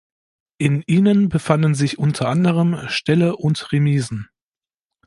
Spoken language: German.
In ihnen befanden sich unter anderem Ställe und Remisen.